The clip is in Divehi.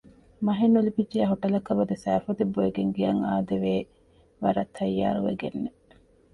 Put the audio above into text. މަހެއް ނުލިބިއްޖެޔާ ހޮޓަލަކަށް ވަދެ ސައިފޮދެއް ބޮއެގެން ގެއަށް އާދެވޭ ވަރަށް ތައްޔާރުވެގެންނެ